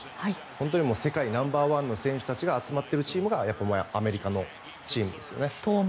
本当に世界ナンバーワンの選手たちが集まっているチームがやっぱりアメリカのチームですよね。